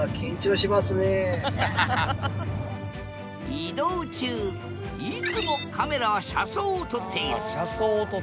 移動中いつもカメラは車窓を撮っているあっ